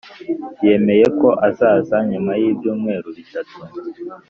yemeye ko azaza nyuma y'ibyumweru bitatu